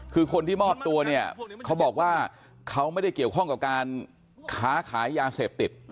คือคนที่มอบตัวเนี่ยเขาบอกว่าเขาไม่ได้เกี่ยวข้องกับการค้าขายยาเสพติด